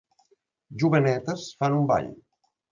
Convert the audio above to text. Jovenetes fan un ball.